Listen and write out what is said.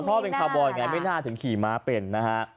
พ่อเป็นคาร์บอยไงไม่น่าถึงขี่ม้าเป็นนะฮะ